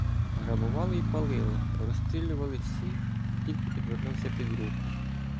Грабували й палили, розстрілювали всіх, хто тільки підвернувся під руку.